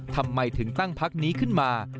ทำไมถึงตั้งพักนี้ขึ้นมา